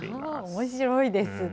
おもしろいですね。